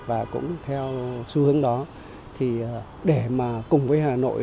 và cũng theo xu hướng đó thì để mà cùng với hà nội